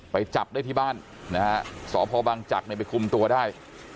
ไปจับได้ที่บ้านนะฮะสพบังจักรไปคุมตัวได้